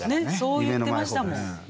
そう言ってましたもん。